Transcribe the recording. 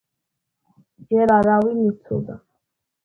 ჯერ არავინ იცოდა.